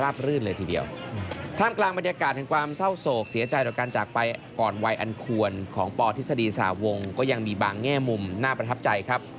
บางแง่มุมน่าประทับใจครับ